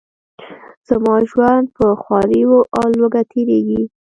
زما ژوند په خواریو او لوږه تیریږي.